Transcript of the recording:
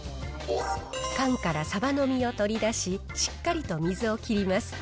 缶からサバの身を取り出し、しっかりと水を切ります。